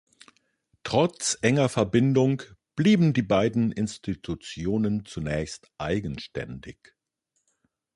Trotz enger Verbindung blieben die beiden Institutionen zunächst eigenständig.